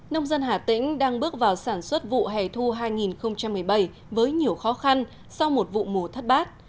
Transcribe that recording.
nông dân hà tĩnh đang bước vào sản xuất vụ hè thu hai nghìn một mươi bảy với nhiều khó khăn sau một vụ mùa thất bát